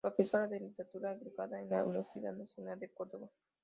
Profesora de literatura, egresada en la Universidad Nacional de Córdoba.